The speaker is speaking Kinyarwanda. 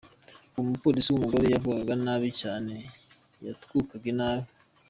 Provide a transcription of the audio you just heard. Uwo mupolisi w’umugore yavugaga nabi cyane, yatwukaga inabi.